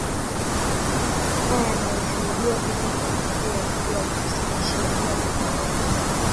Haya yanayoshuhudiwa sasa ni matokeo ya kile alichosema sheria kandamizi